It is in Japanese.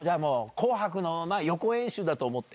紅白の予行演習だと思って。